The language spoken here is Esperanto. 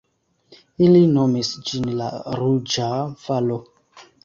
Ili nomis ĝin la Ruĝa Valo.